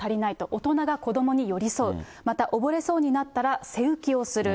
大人が子どもに寄り添う、また溺れそうになったら背浮きをする。